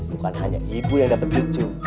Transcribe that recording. bukan hanya ibu yang dapat cucu